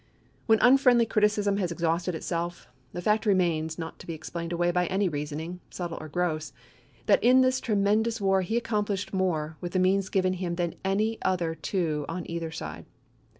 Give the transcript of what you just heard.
When unfriendly criticism has exhausted itself, the fact remains, not to be explained away by any reasoning, subtle or gross, that in this tremendous war he accomplished more with the means given him than any other two on either side.